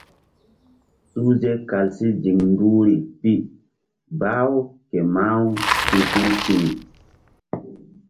Suhze kal si ziŋ duhri pi bah-u ke mah-u ti̧h ti̧w ti̧h.